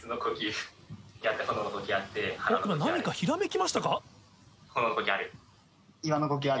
今何かひらめきましたか？